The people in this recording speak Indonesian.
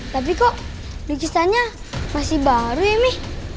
tapi kok lukisannya masih baru ya mi